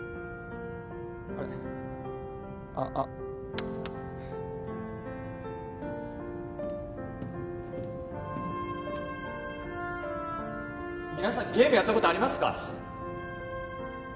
あれっあーあー皆さんゲームやったことありますか？